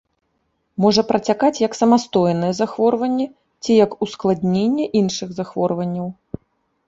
Можа працякаць як самастойнае захворванне ці як ускладненне іншых захворванняў.